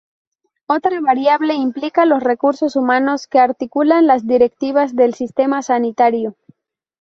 Otra variable implica los recursos humanos que articulan las directivas del sistema sanitario.